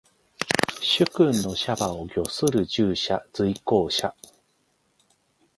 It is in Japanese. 主君の車馬を御する従者。随行者。